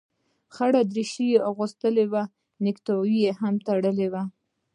خړه دريشي يې اغوستې وه نيكټايي يې هم تړلې وه.